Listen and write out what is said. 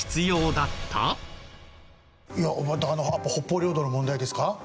北方領土の問題ですか？